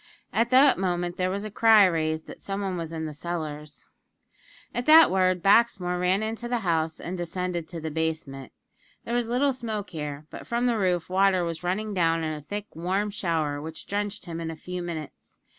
At that moment there was a cry raised that some one was in the cellars. At the word, Baxmore ran into the house, and descended to the basement. There was little smoke here; but from the roof, water was running down in a thick, warm shower, which drenched him in a few minutes.